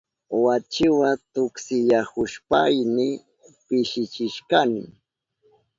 Wachiwa tuksinayahushpayni pishichishkani.